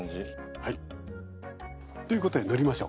ということで塗りましょう。